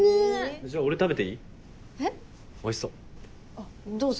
あっどうぞ。